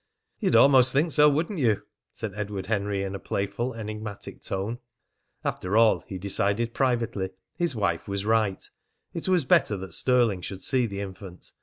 "You'd almost think so, wouldn't you?" said Edward Henry in a playful, enigmatic tone. After all, he decided privately, his wife was right: it was better that Stirling should see the infant.